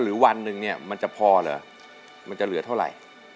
หรือวันหนึ่งมันจะพอเหรอมันจะเหลือเท่าไร